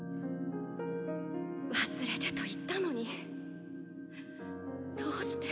忘れてと言ったのにどうして？